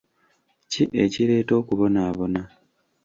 Ki ekireeta okubonaabona?